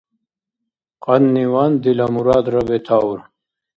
Кьанниван дила мурадра бетаур.